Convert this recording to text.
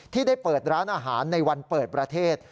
ที่ได้เปิดร้านอาหารในวันเปิดประเทศ